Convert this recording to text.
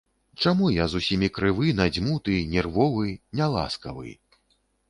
Чаму я з усімі крывы, надзьмуты, нервовы, няласкавы?